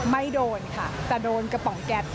ไม่โดนค่ะแต่โดนกระป๋องแก๊ปค่ะ